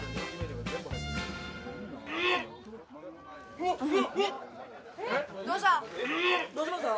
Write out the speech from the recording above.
うわっどうした？